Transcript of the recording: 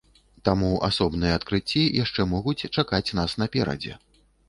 Таму асобныя адкрыцці яшчэ могуць чакаць нас наперадзе.